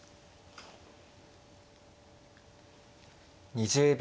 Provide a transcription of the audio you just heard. ２０秒。